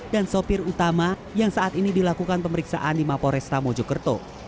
dan sopir utama yang saat ini dilakukan pemeriksaan di mapo resta mojokerto